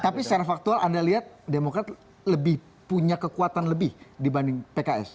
tapi secara faktual anda lihat demokrat lebih punya kekuatan lebih dibanding pks